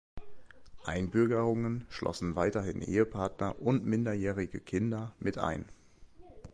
Einbürgerungen schlossen weiterhin Ehepartner und minderjährige Kinder mit ein.